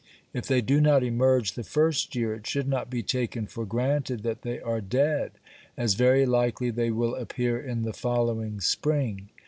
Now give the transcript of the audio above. If they do not emerge the first year, it should not be taken for granted that they are dead, as very likely they will appear in the following spring.